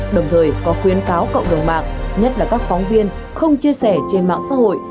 đồng thời có khuyến cáo cộng đồng mạng nhất là các phóng viên không chia sẻ trên mạng xã hội